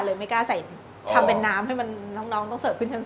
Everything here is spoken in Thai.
ไม่กล้าใส่ทำเป็นน้ำให้มันน้องต้องเสิร์ฟขึ้นทั้ง